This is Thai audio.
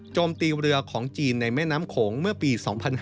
มตีเรือของจีนในแม่น้ำโขงเมื่อปี๒๕๕๙